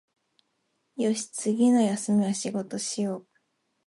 よし、次の休みは仕事しよう